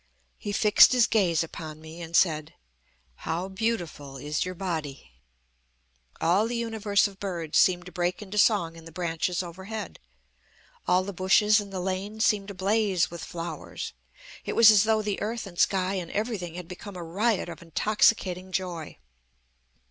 He fixed his gaze upon me, and said: 'How beautiful is your body!' "All the universe of birds seemed to break into song in the branches overhead. All the bushes in the lane seemed ablaze with flowers. It was as though the earth and sky and everything had become a riot of intoxicating joy.